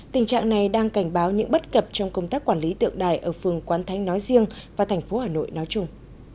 tình trạng này đang cảnh báo những bất cập trong công tác quản lý tượng đài ở phường quán thánh nói riêng và thành phố hà nội nói chung